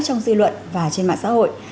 trong dư luận và trên mạng xã hội